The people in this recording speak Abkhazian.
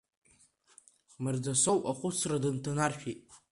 Мардасоу ахәыцра дынҭанаршәит.